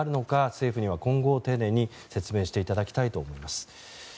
政府には今後丁寧に説明していただきたいと思います。